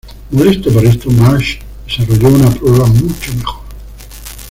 Molesto por esto, Marsh desarrolló una prueba mucho mejor.